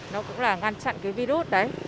nó cũng là ngăn chặn cái virus đấy